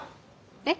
えっ？